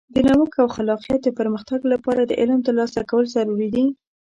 د نوښت او خلاقیت د پرمختګ لپاره د علم ترلاسه کول ضروري دي.